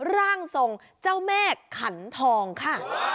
ร่างทรงเจ้าแม่ขันทองค่ะ